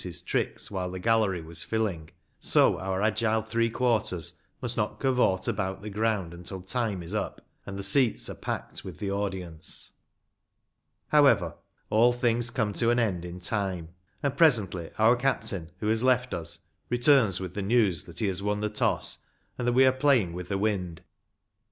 205 his tricks while the gallery was filling, so our agile three quarters must not " cavort " about the ground until time is up, and the seats are packed with the audience. However, all things come to an end in time, and presently our captain, who has left us, returns with the news that he has won the toss, and that we are playing with the wind.